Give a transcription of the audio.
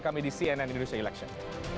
kami di cnn indonesia election